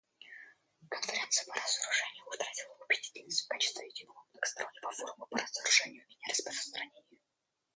Конференция по разоружению утратила убедительность в качестве единого многостороннего форума по разоружению и нераспространению.